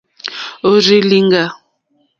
Òrzì lìŋɡá.